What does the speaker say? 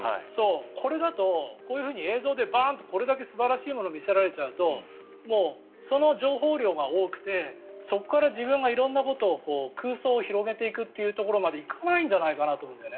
これだとこういうふうに映像で素晴らしいものをバーンと見せられちゃうとその情報量が多くてそこから自分が色んなことを空想を広げていくというところまで行かないんじゃないかと思うんだよね。